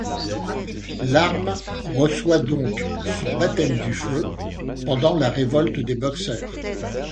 L'arme reçoit donc son baptême du feu pendant la révolte des Boxers.